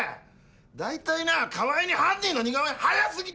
大体な川合に犯人の似顔絵は早過ぎたんだよ！